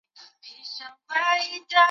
这本书的英文原名也没那么耸动